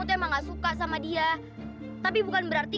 aduh siapa nyamit gue nih